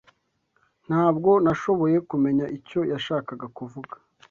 Ntabwo nashoboye kumenya icyo yashakaga kuvuga.